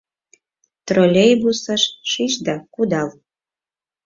Троллейбусыш шич да кудал.